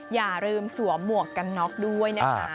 อย่าลืมสวมหมวกกันน็อกด้วยนะคะ